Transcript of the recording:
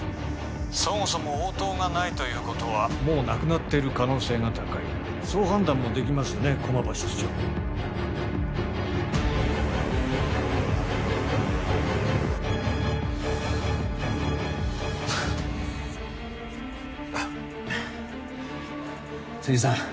そもそも応答がないということはもう亡くなっている可能性が高いそう判断もできますよね駒場室長千住さん